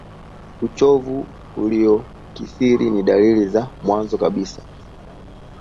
uchovu uliyokithiri ni dalili za mwanzo kabisa